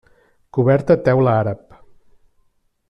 Coberta teula àrab.